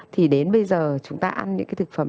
thì đến bây giờ chúng ta ăn những cái thực phẩm